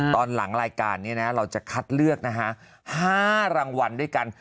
ตอนหลังรายการนี้นะเราจะคัดเลือกนะฮะ๕รางวัลด้วยกัน